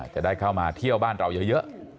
จะได้เข้ามาเที่ยวบ้านเราเยอะ